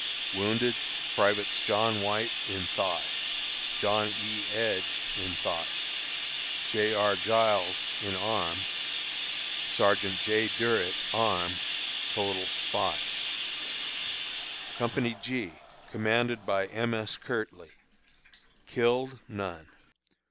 Wounded: Privates John White, in thigh; John E. Edge, in thigh; J. R. Giles, in arm; Sergeant J. Durret, arm. Total, 5. Company G, commanded by M. S. Kirtley. Killed: None.